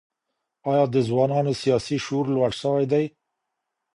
ایا د ځوانانو سیاسي شعور لوړ سوی دی؟